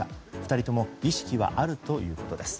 ２人とも意識はあるということです。